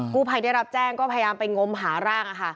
ผู้ภัยได้รับแจ้งก็พยายามไปงมหาร่าง